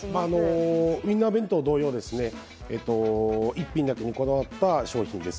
ウインナー弁当同様、一品だけにこだわった商品です。